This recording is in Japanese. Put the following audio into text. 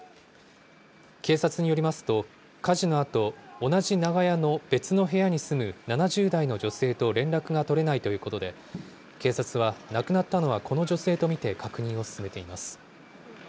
警察によりますと、火事のあと、同じ長屋の別の部屋に住む７０代の女性と連絡が取れないということで、警察は、亡くなったのはこの女性と見て確認を進めています。